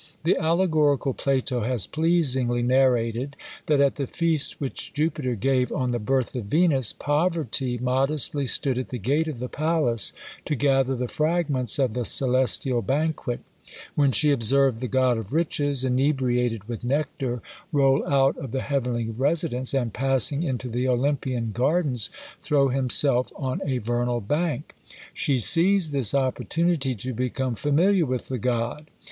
The allegorical Plato has pleasingly narrated, that at the feast which Jupiter gave on the birth of Venus, Poverty modestly stood at the gate of the palace to gather the fragments of the celestial banquet; when she observed the god of riches, inebriated with nectar, roll out of the heavenly residence, and passing into the Olympian Gardens, throw himself on a vernal bank. She seized this opportunity to become familiar with the god.